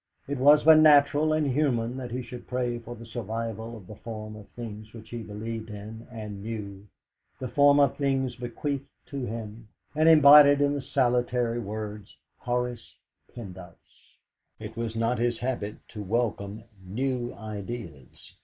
It was but natural and human that he should pray for the survival of the form of things which he believed in and knew, the form of things bequeathed to him, and embodied in the salutary words "Horace Pendyce." It was not his habit to welcome new ideas.